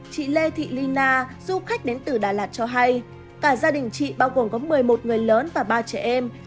chị lê thị ly na du khách đến từ đà lạt cho hay cả gia đình chị bao gồm có một mươi một người lớn và ba trẻ em